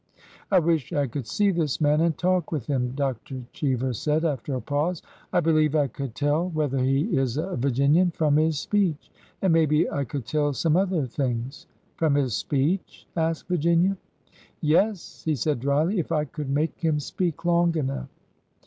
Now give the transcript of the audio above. I wish I could see this man and talk with him," Dr. Cheever said, after a pause. I believe I could tell whe ther he is a Virginian, from his speech. And maybe I could tell some other things." From his speech?" asked Virginia. Yes," he said dryly. '' If I could make him speak long enough."